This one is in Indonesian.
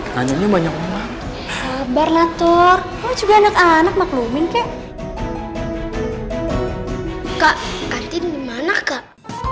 banyak banyak bar latur juga anak anak maklumin kak kak kantin dimana kak